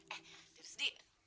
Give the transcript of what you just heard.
eh terus dik